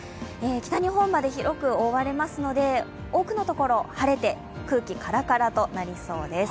北日本まで広く覆われますので、多くの所晴れて空気カラカラとなりそうです。